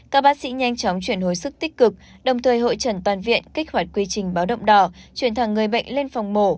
các bác sĩ nhanh chóng chuyển hồi sức tích cực đồng thời hội trần toàn viện kích hoạt quy trình báo động đỏ chuyển thẳng người bệnh lên phòng mổ